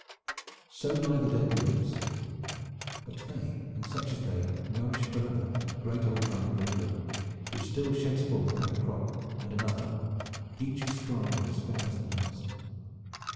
So lie the dead leaves; but they and such as they nourish forever that great old trunk of England, which still sheds forth another crop and another, each as strong and as fair as the last.